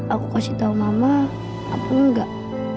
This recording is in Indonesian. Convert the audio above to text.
aku kasih tahu mama aku enggak